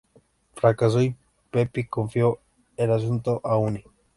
Fracasó, y Pepy confió el asunto a Uni.